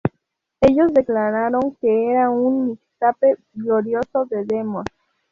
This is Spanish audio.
Ellos declararon que era un "mixtape glorioso" de demos.